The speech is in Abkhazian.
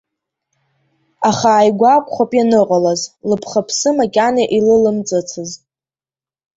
Аха ааигәа акәхап ианыҟалаз, лыԥхаԥсы макьана илылымҵыцызт.